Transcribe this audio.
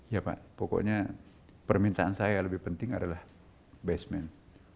ya pak pokoknya permintaan saya lebih penting adalah basement